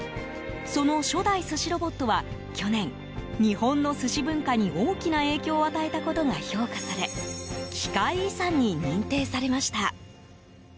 その初代寿司ロボットは、去年日本の寿司文化に大きな影響を与えたことが評価され機械遺産に認定されました。